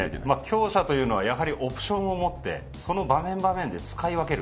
強者というのはやはりオプションを持ってその場面場面で使い分ける。